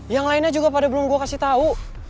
yang lainnya juga pada belum gue kasih tau